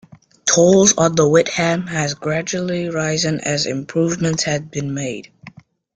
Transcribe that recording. Tolls on the Witham had gradually risen as improvements had been made.